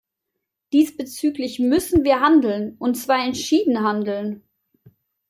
Diesbezüglich müssen wir handeln, und zwar entschieden handeln.